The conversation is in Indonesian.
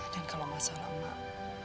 dan kalau gak salah mak